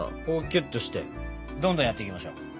こうキュッとしてどんどんやっていきましょう。